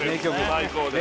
最高です